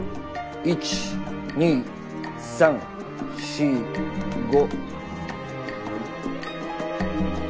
１２３４５。